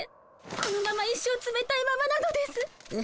このまま一生つめたいままなのです。